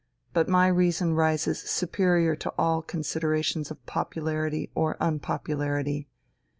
But my reason rises superior to all considerations of popularity or unpopularity.